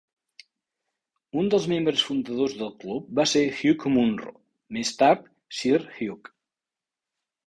Un dels membres fundadors del club va ser Hugh Munro, més tard Sir Hugh.